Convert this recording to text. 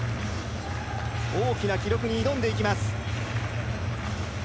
大きな記録に挑んでいきます。